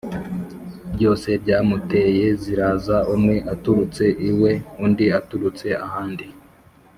byose byamuteye ziraza umwe aturutse iwe undi aturutse ahandi